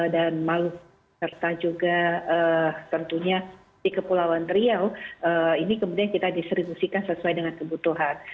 dan maluku serta juga tentunya di kepulauan riau ini kemudian kita distribusikan sesuai dengan kebutuhan